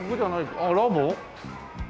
あっラボ？